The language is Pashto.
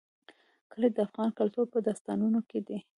کلي د افغان کلتور په داستانونو کې دي.